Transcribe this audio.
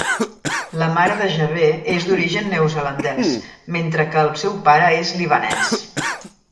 La mare de Jaber és d'origen neozelandès, mentre que el seu pare és libanès.